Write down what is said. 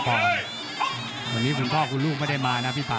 พอคุณพ่อคุณลูกไม่ได้มานะพี่ฟา